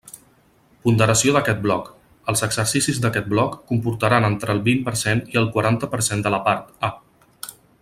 Ponderació d'aquest bloc: els exercicis d'aquest bloc comportaran entre el vint per cent i el quaranta per cent de la part A.